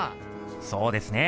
そうですね。